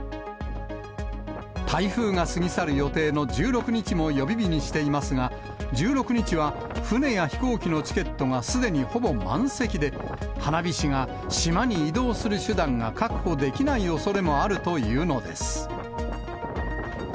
台風が過ぎ去る予定の１６日も予備日にしていますが、１６日は船や飛行機のチケットがすでにほぼ満席で、花火師が島に移動する手段が確保できないおそれもあるというのです。